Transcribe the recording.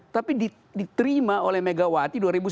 tapi diterima oleh megawati dua ribu sembilan belas